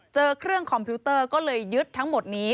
เจอเครื่องคอมพิวเตอร์ก็เลยยึดทั้งหมดนี้